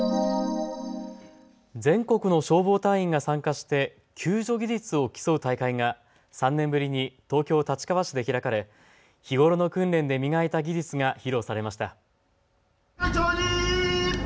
全国の消防隊員が参加して救助技術を競う大会が３年ぶりに東京立川市で開かれ日頃の訓練で磨いた技術が披露されました。